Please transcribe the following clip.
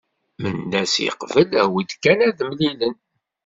Mendas yeqbel awi-d kan ad mlilen.